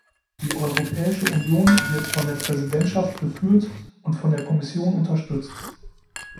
Die Europäische Union wird von der Präsidentschaft geführt und von der Kommission unterstützt.